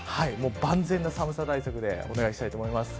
万全な寒さ対策でお願いしたいと思います。